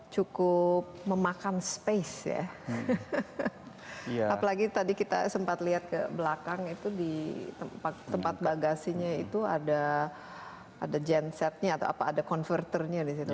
cukup memakan space ya apalagi tadi kita sempat lihat ke belakang itu di tempat bagasinya itu ada gensetnya atau apa ada converternya di situ